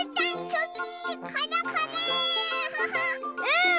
うん！